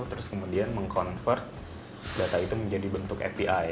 terus kemudian meng convert data itu menjadi bentuk api